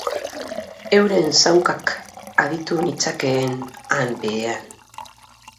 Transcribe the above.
Euren zaunkak aditu nitzakeen, han behean.